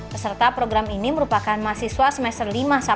peserta program ini merupakan mahasiswa semester lima satu